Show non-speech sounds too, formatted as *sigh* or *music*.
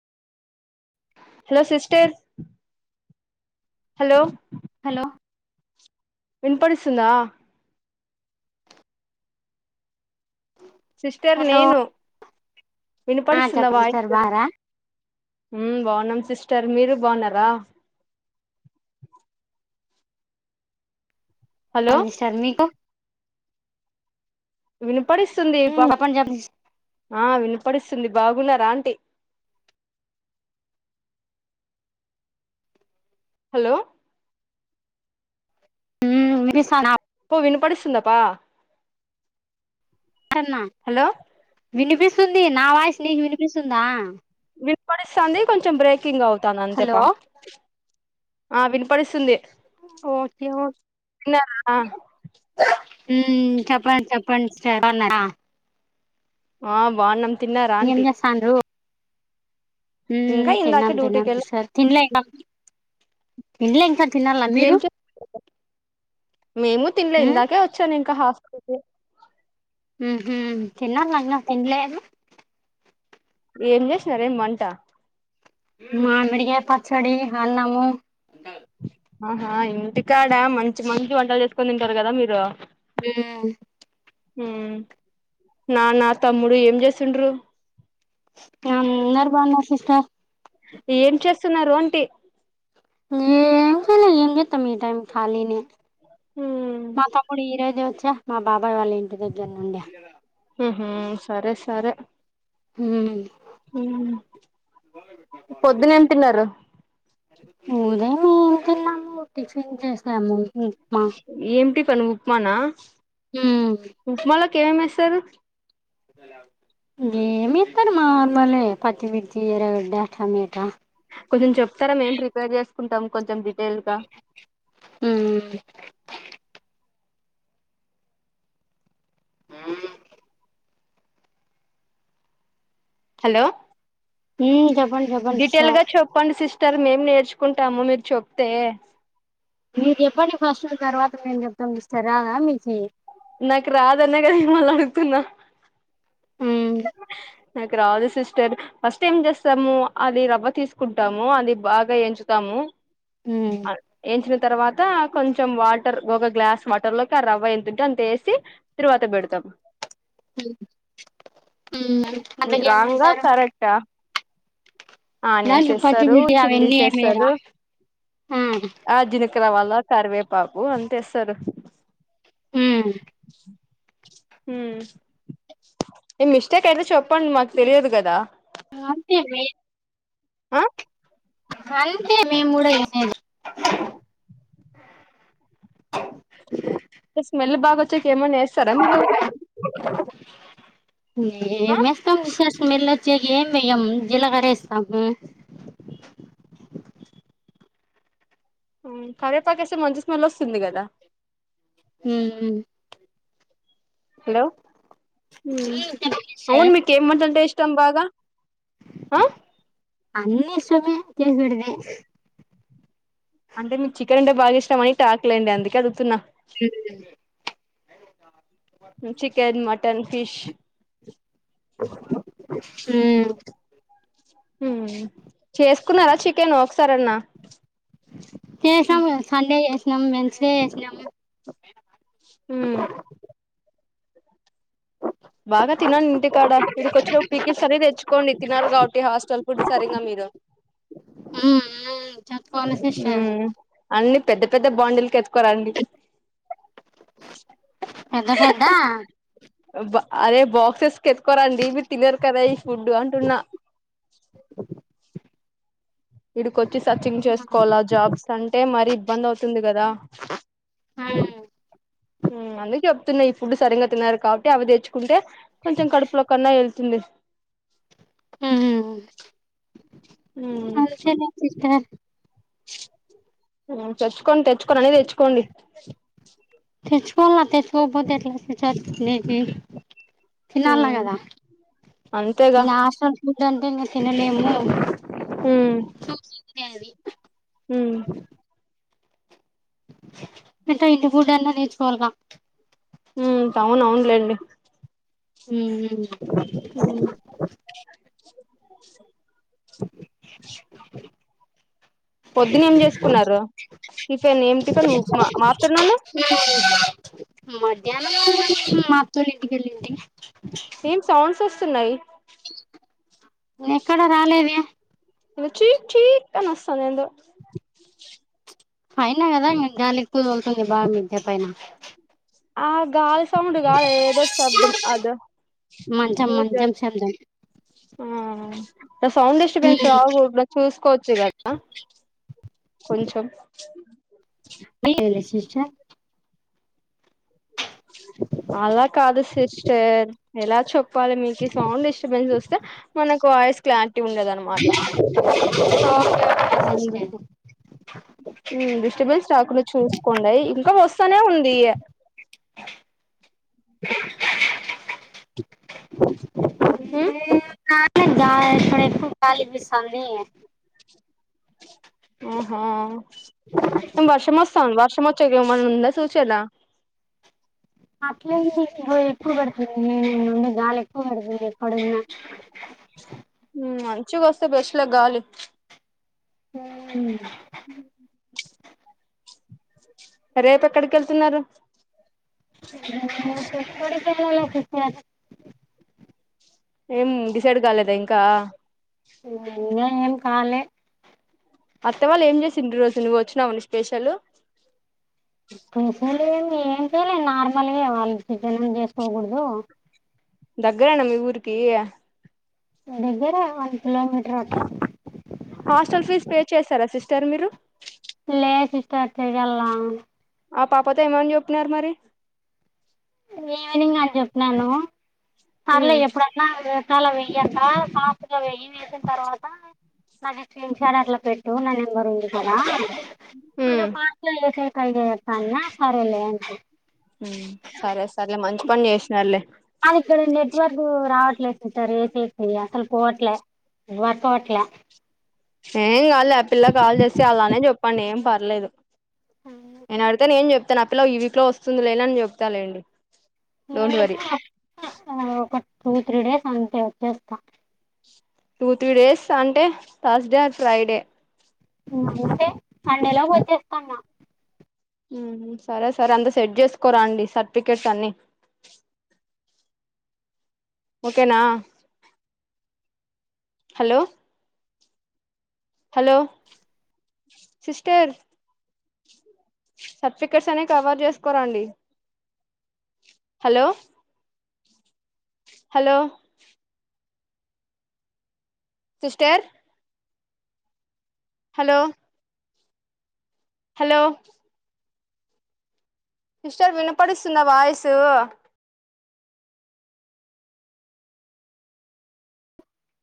Hello sisters hello hello విన్పడుస్తుందా sister hello నేను ఆ వినపడిస్తుందా చెప్పసిటారు వాయిస్ బారా బాగున్నాం సిస్టర్ మీరు బాగున్నారా హలో అజీ శర్మికు ఇను పడిస్తుంది చెప్పండి చెప్పండి వి పడుస్తుంది బాగున రాంటి హలో మ సా వినిపడిస్తుందప్ప కన్నా హలో వినిపిస్తుంది నా వాయిస్ నీకు వినిపిస్తుందా వినపడిస్తాంది కొంచెం బ్రేకింగ్ అవుతాంది హలో అంతేపా ఆ వినపడిస్తుంది ఓకే ఓ తిన్నారా మ్ చెప్పండి చెప్పండి చెప్ప ఆ బావున్నామ్ ఏం చేస్తాండ్రు ఇంకా మత్ తిన్నాం ఇందాక తిన్నం డ్యూటీకి వెళ్ళ సార్ తిన్లే ఇంక *unintelligible* ఏం చె మేమూ తినలే ఉమ్ ఇందాకే వచ్చాను ఇంకా హాస్ ఉఊహూ తినాలన్నా తిన్లేదు ఏం చేసినారేం వంట మామిడికాయ్ ప చడి హన్నము ఆహా ఇంటికాడ మంచి మంచి వంటలు చేసుకొని తింటారు కదా మీరు *unintelligible* మ్ నాన్న తమ్ముడు ఏం చేస్తుండు అందరు బాగున్నారు సిస్ *unintelligible* ఏం చేస్తున్నారు అంటి ఏం చేయలే ఏం చేస్తాం ఈ టైం లో కాలినే మా తమ్ముడు ఈరోజే వచ్ *unintelligible* మా బా ఊహ్మ్ సరే సరే హు ఊహూ పొద్దున ఏం తిన్నారు? ఉదయం తిన్నాము, టిఫిన్ చేసాము. ఉప్మా ఏమ్ టిఫెను? ప్మా నా? మ్ కేమేశారు? ఏమేత్తారు నార్మలే పచ్చిమిర్చి, ఎర్రగడ్డ, టమేటా. కొంచెం చెప్తరా? మేం ప్రిపేర్ చేసుకుంటాం కొంచెం డిటెయిల్ గా హ్మ్ యెం హలో హ్మ్ చెప్పండి చెప్పండి డిటేయిల్ సార్ గా చెప్పండి సిస్టర్ మేము నేర్చు కుంటాము మీరు చెప్తే మీరు చెప్పండి ఫస్ట్, తర్వాత మేమ్ చెప్తం. మిస్టర్ రాదా మీకి? నాకు రాదనే కదా మిమ్మల్ని అడుగుతున్నా హ్మ్ *unintelligible* నాకు రాదు సిస్టర్ ఫస్ట్ ఏం చేస్తామూ అది రవ్వ తీసుకుంటాము, అది బాగా ఎంచుతాము హ్మ్ అది ఎంచిన తర్వాతా కొంచెం వా టర్ ఒక గ్లాస్ వాటర్ లోకి ఆ రవ్వ ఎంతుంటే అంత ఏసి తరువాత పెడతం. హ్మ్ మళ్లీ ఏమి రాంగా వేశారు? కరెక్టా ఆనియన్స్ దాంట్లో పిచ్చి వేస్తారు మిర్చీ అవన్నీ చిల్లీస్ వేస్తారు ఏమెయరా? ఆ జిలక రవాల కరివేపాకు ఆంత ఏస్తరు? *inaudible* హ్మ్ హ్మ్ నీ మిస్టేక్ ఏదో చె ప్పండి మాకు తెలియదు కదా! అంతే ఆ అంతేమే *unintelligible* స్మెల్ బాగ వచ్చేకి ఏమన్న ఏస్తర మీరు? ఆ ఏమేస్తం *unintelligible* స్మెల్ వచ్చేకీ ఏం వెయ్యం, జీలకర ఏస్తము మ్మ్ కరేపాకేస్తె మంచి స్మెల్ ఒస్తుంది గదా మ్మ్ మ్మ్ హలో మ్మ్ అవును సార్ మీకు ఏం వంటంటే ఇష్ టం బాగ అన్ని ష్టమే *unintelligible* అంటే మీకు చికెన్ అంటే బాగ ఇష్టమని టాక్లేండి అందుకే అడుగుతున్న చికెన్ మ టన్, ఫిష్ హ్మ్ హ్మ్ చేసుకున్నారా చికెన్ ఒక్కసారన్నా సినం, వెన్స్ డే చేసినం హ్మ్ బాగా తినండి. ఇంటికాడ ఇడికి వచ్చి పికిల్స్ అవి తెచ్చుకోండి. తినరుకాబట్టి హాస్టల్ ఫుడ్ సరిగ్గా మీరు ఉమ్ ఉమ్ చెప్పుకోవాలి సిస్టర్ హ్మ్ అన్ని పెద్ద. పెద్ద బాండిల్ కేత్ కోరండి పెద్ద పెద్ద అరే బాక్సెస్ కెత్తుకోరండి మీరు తినరు కదా ఈ ఫుడ్డు అంటున్నా *inaudible* ఇడికి వచ్చి సర్చింగ్ చేసుకోవాలా జాబ్స్ అంటే మర ఇబ్బంది అవుతుంది కదా *inaudible* హ్మ్ అందుకు చెప్ తున్న ఈ ఫుడ్డు సరిగ్గా తినరు కాబట్టి అవి దేచ్ అంటే కొంచెం కడుపులో కన్నా వేస్ తుంది హ్మ్ అందుకనే సిస్టర్ హ్మ్ తెచ్చుకోని తెచ్చుకోని అన్ని తెచ్చుకోండి చట్నీకి తినాలా ఉమ్ గదా అంతేగా ఇంకా హాస్టల్ ఫుడ్ అంటే ఇంకా తినలేం హ్మ్ చూసి అంతే అవి హ్మ్ అంటే ఇంటి పుడ్డన్నా నేర్చుకోవాలిగా హ్మ్ టవునవును లెండి హ్మ్ ఉమ్ *inaudible* *inaudible* *inaudible* పొద్దున్న ఏం చేసుకున్నారు టిఫెన్ ఏం టిఫెన్ మాఫ తన్నాను మధ్యాహ్నం మత్తళ్ళ ఇంటికి వెళ్ళండి సేమ్ సౌండ్స్ న్నా ఎక్కడ రాలేద అ అస్తస్త ఇక్కడ పదానికి వాయిస్ రికార్డుకు తేడా ఉంద ఏదో చి చి చి చి అని వస్తుంది. పనా కదా జాలికి కుదవుతుంది బాగా మీదే పైన ఆ గాలి సౌండ్ గాదు ఏదో శబ్దం అదో మంచం ఏదో మంచం జరుపు శబ్దం సౌండ్ డిస్టర్బెన్స్ రాక కుండచూసుకోవచ్చు కదా కొంచెం చె అలా కాదు సిస్టర్ ఎలా చొప్పు పాలి మీకి సౌండ్ డిస్టర్బెన్స్ వస్తే మనకుయిస్ ప్లాట్ ఆ అ డిస్టబీన్స్ రాకుండు చూసుకోండయి ఇంకా వస్తానే ఉంది హ ఇప్పుడు ఎక్కు గాలి వీస్తుంది. ఆహా వర్ష మస్తా ఉంది వర్ష మచ్చ మనంద సూచలా అట్లేలే ఇన ఇయపోయాడు ఎక్కువ కొడుతుంది ఇన్నొన్న గాలిఎక్కువ పడుతుంది ఎక్కడున్న మంచిగా వస్తే బెస్ట్ లా గాలి అ రేపు ఎక్కడకెళ్తున్నారు చాల ఏం డిసైడ్ కాలేదా ఇంకా అ అ ఏం కాలే అత్త వాళ్ళ ఏం చేసిండ్రు ఈ రోజు నువ్వు వచ్చినావా స్టెషన్ లో పసలే ఏం చేయలే నార్మల్గా వాళ్ళి సిజనం చేసుకోకూడదు దగ్గరేనా మీ ఊరికి దగ్గర వన్ కిలోమీటర్ అట్ట హాస్టల్ ఫీజ్ పే చేస్తారా సిస్టర్ మీరు లే సిస్టర్ చెయ్యాల్లా ఆ పాపతో ఏమని చెప్పినారు మరి ఈవినింగ్ అని చెప్న్నాను పర్లే ఉమ్ ఎప్పుడున్నా అలా వెేయక కాఫగా వె్య వేసిన తర్వాత నాకు స్క్రీన్ షాట్ అట్లా పెట్టు నా నెంబర్ ఉంది కూడా పలో పార్కు లో వేసి కైగాయప్ప అన్నా సరేలే అంటి సరే సరలే మంచి్ పని చేసినర్లే అది ఇక్కడ నెట్వర్క్ రావట్లేదు సిస్టర్ ఏ సెసి అసలు పోవట్లే నెట్ వర్క్ పోవట్లే ఏం కాదు ల పిల్ల కాల్ జెసి అలానే చెప్పండి పర్లేదు నేను అడితే నేను చెప్పు తన అ పిలో ఈవీక్ లో వస్తుంది లేండి అని చెప్తాలేండి డోంట్ వర్రీ నేనైతే ఒక టూ త్రీ డేస్ అంతే వచ్చేస్తా టూ త్రీ డేస్ అంటే థాస్డే అర్ ఫ్రైడే మంతే హండెలా పోతే త్తన్నా ఉ సరే సరే అంత సెట్ చేసుకోరాండి సర్టిఫికెట్స్ అన్ని ఓకేనా హలో హలో సిస్టర్ సర్టిఫికెట్స్ అనే కవర్ చేసుకోరాండి hello hello sister hello hello sister వినపడుస్తుందా వాయిసు